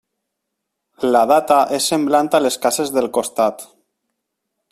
La data és semblant a les cases del costat.